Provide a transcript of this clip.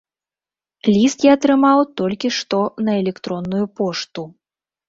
Ліст я атрымаў толькі што на электронную пошту.